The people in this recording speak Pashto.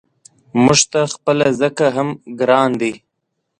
موږ ته خپله ځکه هم ګران دی.